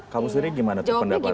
kamu sendiri gimana tuh pendapatnya